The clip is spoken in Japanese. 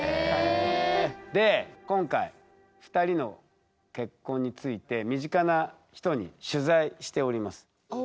で今回２人の結婚について身近な人に取材しております。